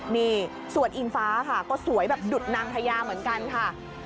นี่ส่วนอิงฟ้าค่ะก็สวยแบบดุดนางพญาเหมือนกันค่ะ